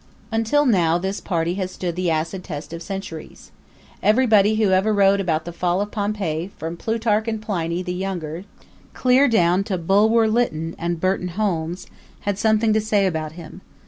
Until now this party has stood the acid test of centuries. Everybody who ever wrote about the fall of Pompeii, from Plutarch and Pliny the Younger clear down to Bulwer Lytton and Burton Holmes, had something to say about him.